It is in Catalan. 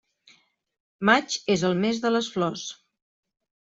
Maig és el mes de les flors.